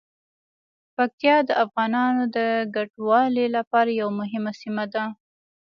پکتیا د افغانانو د کډوالۍ لپاره یوه مهمه سیمه ده.